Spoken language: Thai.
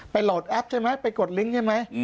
โหลดแอปใช่ไหมไปกดลิงค์ใช่ไหม